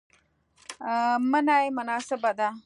منی مناسبه ده